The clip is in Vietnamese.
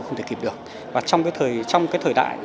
không thể kịp được và trong cái thời đại